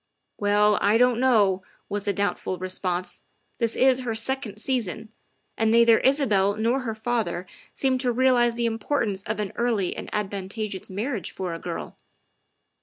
''" Well, I don't know," was the doubtful response, " this is her second season, and neither Isabel nor her father seem to realize the importance of an early and advantageous marriage for a girl.